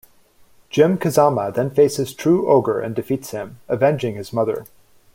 Jin Kazama then faces True Ogre and defeats him, avenging his mother.